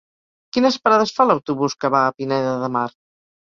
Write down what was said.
Quines parades fa l'autobús que va a Pineda de Mar?